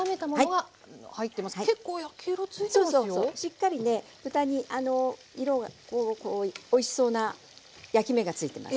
しっかりね豚においしそうな焼き目がついてます。